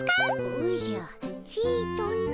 おじゃちとの。